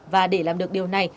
và để làm được điều này